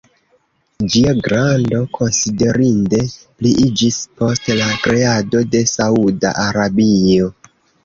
Ĝia grando konsiderinde pliiĝis post la kreado de Sauda Arabio.